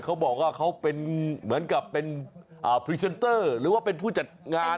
เขาบอกว่าเขาเป็นเหมือนกับเป็นพรีเซนเตอร์หรือว่าเป็นผู้จัดงาน